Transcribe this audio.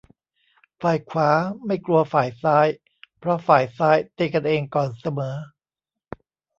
ฝ่ายขวาไม่กลัวฝ่ายซ้าย เพราะฝ่ายซ้ายตีกันเองก่อนเสมอ